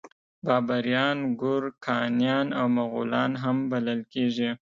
بابریان ګورکانیان او مغولان هم بلل کیږي.